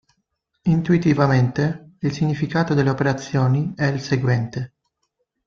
Intuitivamente, il significato delle operazioni è il seguente.